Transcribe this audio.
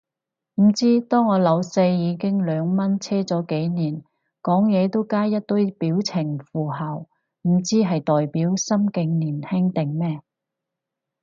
唔知，當我老細已經兩蚊車咗幾年，講嘢都加一堆表情符號，唔知係代表心境年輕定咩